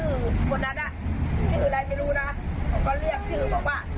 คนนั้นอ่ะชื่ออะไรไม่รู้นะเขาก็เรียกชื่อบอกว่า